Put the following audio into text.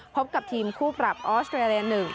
พบกับทีมคู่ปรับออสเตรเลีย๑